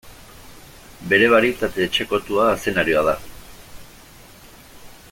Bere barietate etxekotua azenarioa da.